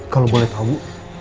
kalau boleh tahu